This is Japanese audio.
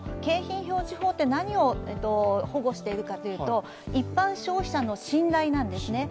景品表示法って何を保護しているかというと、一般消費者の信頼なんですね。